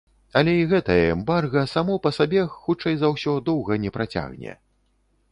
Але і гэтае эмбарга само па сабе, хутчэй за ўсё, доўга не працягне.